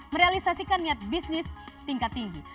merealisasikan niat bisnis tingkat tinggi